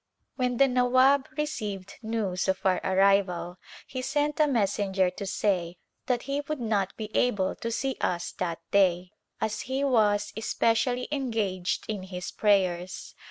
When the Nawab received news of our arrival he sent a messenger to say that he would not be able to see us that day as he was specially engaged in his prayers.